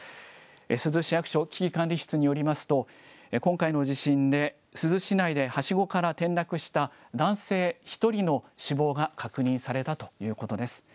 珠洲市役所危機管理室によりますと、今回の地震で、珠洲市内ではしごから転落した男性１人の死亡が確認されたということです。